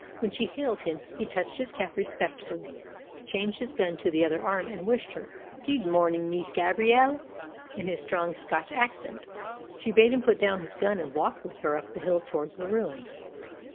When she hailed him he touched his cap respectfully, changed his gun to the other arm, and wished her "Guid mornin', Miss Gabrielle," in his strong Scotch accent. She bade him put down his gun and walk with her up the hill towards the ruins.